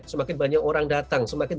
semakin banyak orang datang semakin